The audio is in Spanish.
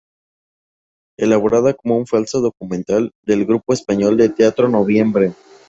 Elaborada como un falso documental del grupo español de teatro Noviembre.